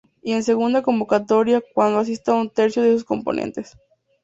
Y en segunda convocatoria, cuando asista un tercio de sus componentes.